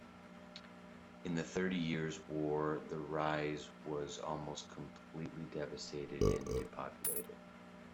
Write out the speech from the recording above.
In the Thirty Years' War the Ries was almost completely devastated and depopulated.